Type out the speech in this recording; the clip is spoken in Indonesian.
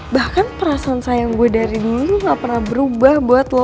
bahkan perasaan sayang gue dari dulu gak pernah berubah buat lo